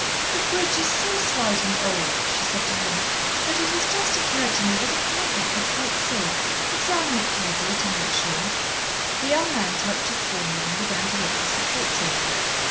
"The bridge is so slight and old," she said to him, "that it has just occurred to me that it might not be quite safe. Examine it carefully to make sure." The young man touched his forehead and began to look the supports over.